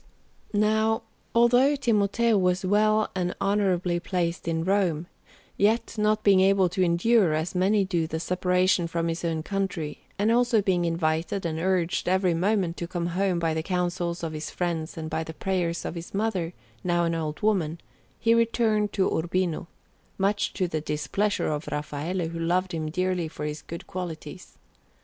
Now, although Timoteo was well and honourably placed in Rome, yet, not being able to endure, as many do, the separation from his own country, and also being invited and urged every moment to come home by the counsels of his friends and by the prayers of his mother, now an old woman, he returned to Urbino, much to the displeasure of Raffaello, who loved him dearly for his good qualities.